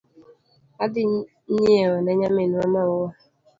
Adhi yieo ne nyaminwa maua